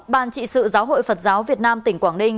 thường trực trị sự giáo hội phật giáo việt nam tỉnh quảng ninh